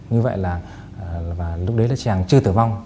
như vậy là lúc đấy là chị hằng chưa tử vong